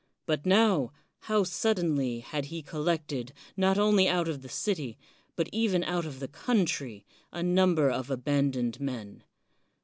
But now, how suddenly had he col lected, not only out of the city, but even out of the country, a number of abandoned men?